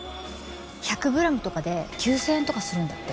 １００グラムとかで９０００円とかするんだって。